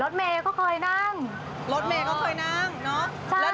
อ๋อทำงานเก็บตังค์ด้วยตัวเองได้แล้ว